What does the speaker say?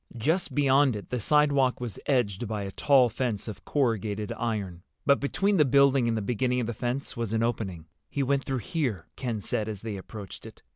Just beyond it the sidewalk was edged by a tall fence of corrugated iron, but between the building and the beginning of the fence was an opening. "He went through here," Ken said, as they approached it.